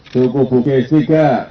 suku bukit tiga